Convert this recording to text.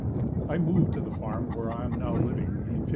I moved to the farm where I am now living in '53.